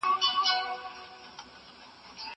زه واښه راوړلي دي!!